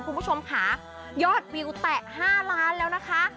คุณผู้ชมค่ะยอดวิวแตะ๕ล้านแล้วนะคะ